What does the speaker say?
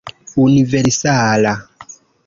universala